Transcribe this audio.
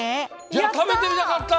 いやたべてみたかった！